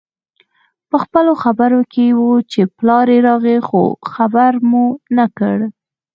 پخپلو خبرو کې وو چې پلار راغی خو خبر مو نه کړ